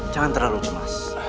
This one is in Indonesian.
jangan terlalu cemas